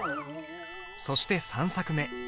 そして３作目。